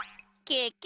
ケケ！